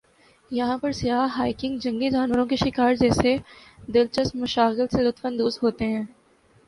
یہاں پر سیاح ہائیکنگ جنگلی جانوروں کے شکار جیسے دلچسپ مشاغل سے لطف اندوز ہو تے ہیں ۔